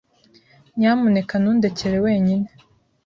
Nyamuneka nundekere wenyine.